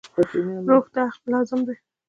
روح ته حق لازم دی.